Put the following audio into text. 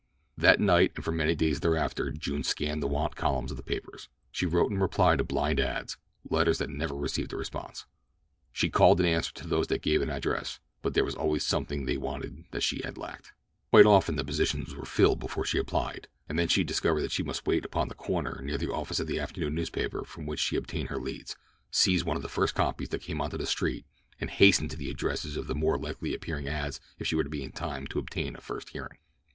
That night and for many days thereafter June scanned the want columns of the papers. She wrote in reply to blind ads—letters that never received a response. She called in answer to those that gave an address, but there was always something they wanted that she lacked. Quite often the positions were filled before she applied, and then she discovered that she must wait upon the corner near the office of the afternoon newspaper from which she obtained her leads, seize one of the first copies that came onto the street, and hasten to the addresses of the more likely appearing ads if she would be in time to obtain a first hearing.